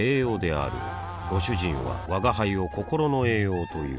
あぁご主人は吾輩を心の栄養という